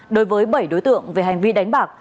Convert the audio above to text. đối với bảy đối tượng về hành vi đánh bạc